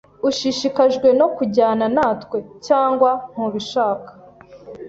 Ushishikajwe no kujyana natwe cyangwa ntubishaka?